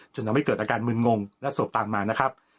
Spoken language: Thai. จนทำให้เกิดอาการมึนงงและศพตามมานะครับ